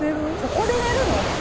ここで寝るの？